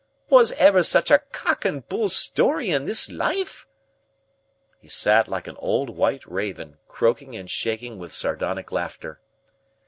Was ever such a cock and bull story in this life?" He sat like an old white raven, croaking and shaking with sardonic laughter.